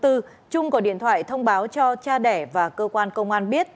trung gọi điện thoại thông báo cho cha đẻ và cơ quan công an biết